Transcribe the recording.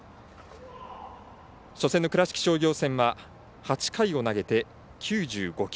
初戦の倉敷商業戦は８回を投げて、９５球。